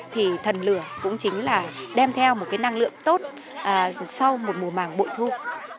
thì thần lửa cũng chính là đem theo một năng lượng tốt